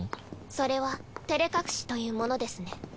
それはてれ隠しというものですね？